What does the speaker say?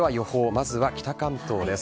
まずは北関東です。